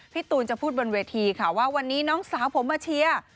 ตูนจะพูดบนเวทีค่ะว่าวันนี้น้องสาวผมมาเชียร์